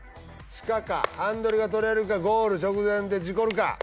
鹿かハンドルが取れるかゴール直前で事故るか